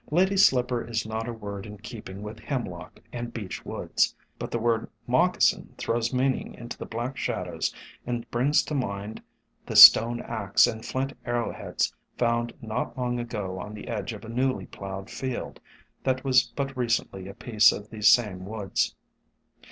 Ladies' Slipper is not a word in keeping with Hemlock and Beech woods, but the word Moccasin throws meaning into the black shadows and brings to mind the stone axe and flint arrow heads found not long ago on the edge of a newly plowed field, that was but recently a piece of these same woods.